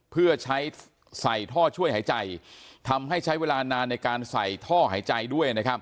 เพื่อใช้ใส่ท่อช่วยหายใจทำให้ใช้เวลานานในการใส่ท่อหายใจด้วยนะครับ